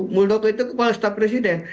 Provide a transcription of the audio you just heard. muldoko itu kepala staf presiden